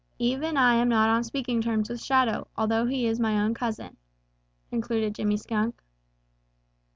Even I am not on speaking terms with Shadow, although he is my own cousin," concluded Jimmy Skunk.